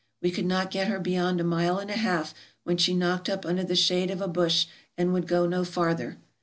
We could not get her beyond a mile and a half when she knocked up under the shade of a bush, and would go no farther.